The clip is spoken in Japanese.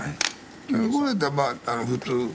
これやったらば普通。